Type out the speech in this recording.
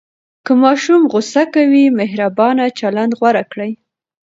که ماشوم غوصه کوي، مهربانه چلند غوره کړئ.